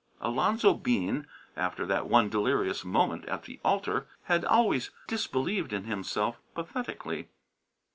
Alonzo Bean, after that one delirious moment at the altar, had always disbelieved in himself pathetically.